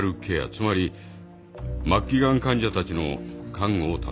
つまり末期がん患者たちの看護を担当してました。